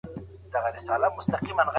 افتخاراتو بې نیازه نه سو